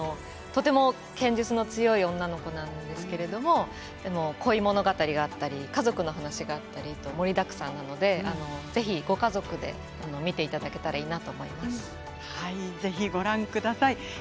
剣術の強い女の子なんですけれど恋物語だったり家族の話だったり盛りだくさんなのでぜひご家族で見ていただけたらいいなと思います。